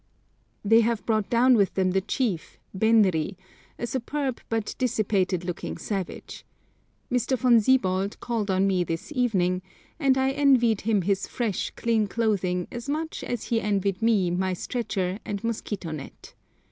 They have brought down with them the chief, Benri, a superb but dissipated looking savage. Mr. Von Siebold called on me this evening, and I envied him his fresh, clean clothing as much as he envied me my stretcher and mosquito net.